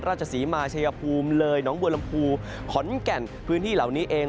ราชศรีมาชัยภูมิเลยหนองบัวลำพูขอนแก่นพื้นที่เหล่านี้เอง